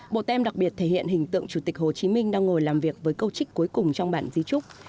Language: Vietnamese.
bộ tem đặc biệt thể hiện hình tượng chủ tịch hồ chí minh đang ngồi làm việc với câu trích cuối cùng trong bản di trúc